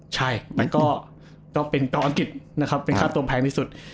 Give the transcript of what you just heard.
ใช่มันก็เป็นตัวอังกฤษนะครับเป็นค่าตัวแพงที่สุด